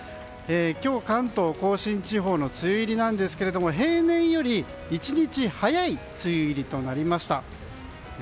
今日、関東・甲信地方の梅雨入りなんですけど平年より１日早い梅雨入りとなりました。